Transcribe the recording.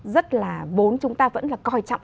rất là vốn chúng ta vẫn là coi trọng